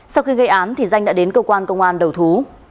sau khi gây án danh đã đến cơ quan công an đầu thú